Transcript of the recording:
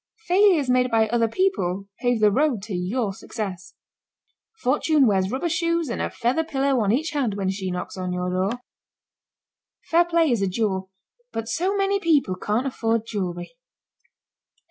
Failures made by other people pave the road to your Success. Fortune wears rubber shoes and a feather pillow on each hand when she knocks on your door. Fair play is a jewel, but so many people can't afford jewelry.